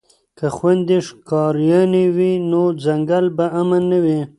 که خویندې ښکاریانې وي نو ځنګل به امن نه وي.